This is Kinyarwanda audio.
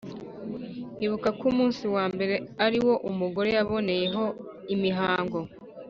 ibuka ko umunsi wa mbere ari uwo umugore yaboneyeho imihango.